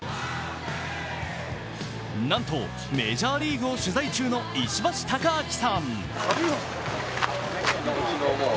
なんとメジャーリーグを取材中の石橋貴明さん。